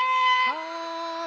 はい！